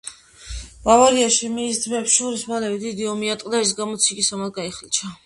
ბავარიაში მის ძმებს შორის მალევე დიდი ომი ატყდა, რის გამოც იგი სამად გაიხლიჩა.